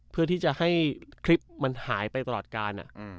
เพื่อที่จะให้คลิปมันหายไปตลอดการ